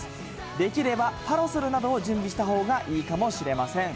できればパラソルなどを準備したほうがいいかもしれません。